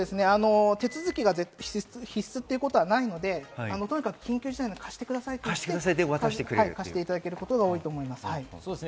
手続きが必須ということはないので、とにかく緊急事態に貸してくださいと言って、貸していただけることが多いと思います。